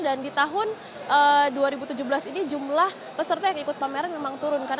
dan di tahun dua ribu tujuh belas ini jumlah peserta yang ikut pameran memang turun